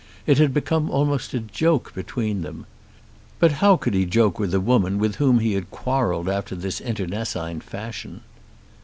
It had become almost a joke between them. But how could he joke with a woman with whom he had quarrelled after this internecine fashion?